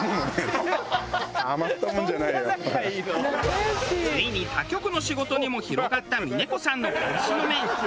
ついに他局の仕事にも広がった峰子さんの監視の目。